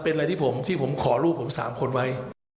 เป็นอะไรที่ผมขอรูปผม๓คนไว้